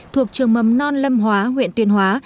thuộc trường mầm non lâm hóa huyện tuyên hóa